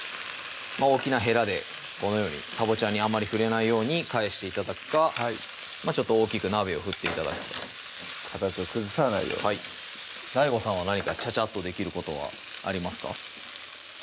大きなへらでこのようにかぼちゃにあまり触れないように返して頂くかちょっと大きく鍋を振って頂くと形を崩さないようにはいＤＡＩＧＯさんは何かチャチャっとできることはありますか？